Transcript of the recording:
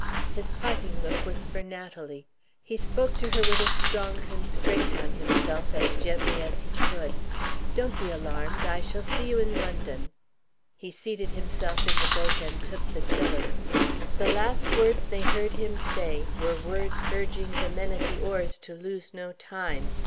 His parting look was for Natalie. He spoke to her with a strong constraint on himself, as gently as he could. "Don't be alarmed; I shall see you in London." He seated himself in the boat and took the tiller. The last words they heard him say were words urging the men at the oars to lose no time.